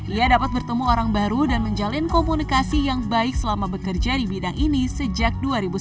ia dapat bertemu orang baru dan menjalin komunikasi yang baik selama bekerja di bidang ini sejak dua ribu sembilan belas